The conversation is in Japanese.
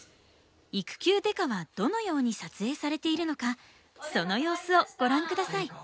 「育休刑事」はどのように撮影されているのかその様子をご覧下さい。